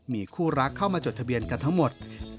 มีคู่รักเข้ามาจดทะเบียนกันทั้งหมด